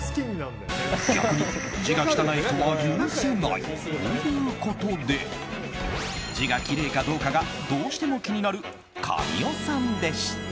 逆に、字が汚い人は許せない！ということで字がきれいかどうかがどうしても気になる神尾さんでした。